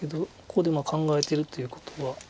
ここで考えてるということは。